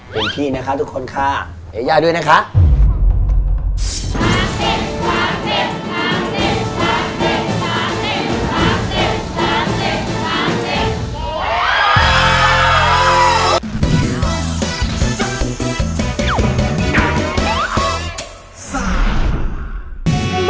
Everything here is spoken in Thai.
เป็นพี่นะครับทุกคนค่ะไอ้ย่าด้วยนะครับ